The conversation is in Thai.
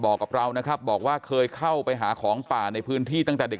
บอกกับเรานะครับบอกว่าเคยเข้าไปหาของป่าในพื้นที่ตั้งแต่เด็ก